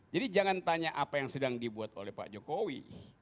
jadi jangan tanya apa yang sedang dibuat oleh pak jokowi